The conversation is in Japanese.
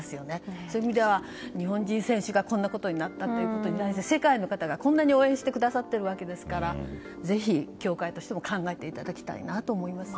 そういう意味では日本人選手がこんなことになったことに対して世界の方がこんなに応援をしてくださっているわけですからぜひ、協会としても考えていただきたいですね。